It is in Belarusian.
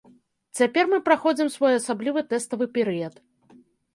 Цяпер мы праходзім своеасаблівы тэставы перыяд.